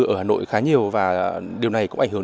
ở hà nội khá nhiều và điều này cũng ảnh hưởng